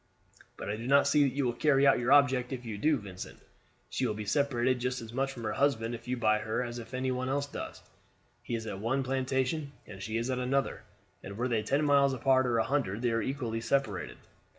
"But I do not see that you will carry out your object if you do, Vincent. She will be separated just as much from her husband if you buy her as if any one else does. He is at one plantation and she is at another, and were they ten miles apart or a hundred, they are equally separated."